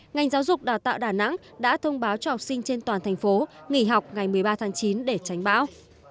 ngành giáo dục đào tạo đà nẵng đã thông báo cho học sinh trên toàn thành phố nghỉ học ngày một mươi ba tháng chín để tránh bão